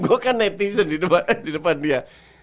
gue kan netizen di depan dia